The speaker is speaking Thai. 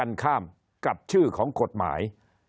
คนในวงการสื่อ๓๐องค์กร